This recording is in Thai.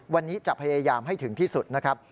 วันนี้จะพยายามให้ถึงที่สุดนะครับ